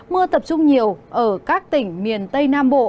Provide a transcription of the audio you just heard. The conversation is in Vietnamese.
mưa tập trung nhiều ở các tỉnh miền tây nam bộ